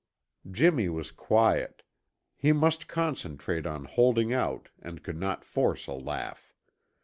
Jimmy was quiet. He must concentrate on holding out and could not force a laugh.